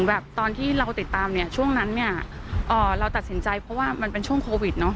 แบบตอนที่เราติดตามเนี่ยช่วงนั้นเนี่ยเราตัดสินใจเพราะว่ามันเป็นช่วงโควิดเนาะ